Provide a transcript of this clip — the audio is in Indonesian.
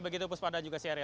begitu puspa ada juga si ariel